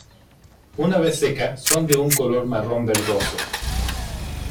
Una vez seca son de un color marrón-verdoso.